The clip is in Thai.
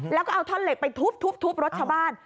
แล้วก็เอาท่อนเหล็กไปทุบรถชาวบ้าน